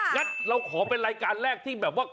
งั้นเราขอเป็นรายการแรกที่แบบว่า